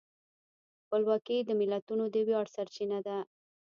خپلواکي د ملتونو د ویاړ سرچینه ده.